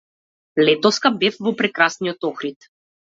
Летоска бев во прекрасниот Охрид.